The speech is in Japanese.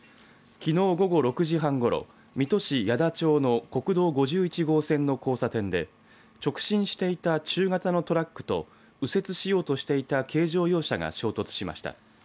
きのう午後６時半ごろ水戸市谷田町の国道５１号線の交差点で直進していた中型のトラックと右折しようとしていた軽乗用車が衝突しました。